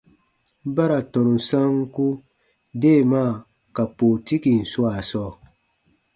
Ba ra tɔnu sanku deemaa ka pootikin swaa sɔɔ.